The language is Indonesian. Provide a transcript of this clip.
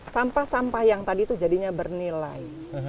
sampah sampah yang tadi itu jadinya bernilai